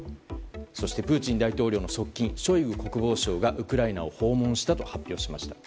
そして、プーチン大統領の側近ショイグ国防相がウクライナを訪問したと発表しました。